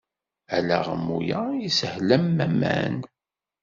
Alaɣmu-a ishel am waman.